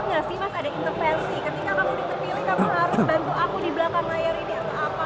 tampak nggak sih mas ada intervensi ketika kamu diterpilih kamu harus bantu aku di belakang layar ini atau apalah harus sebut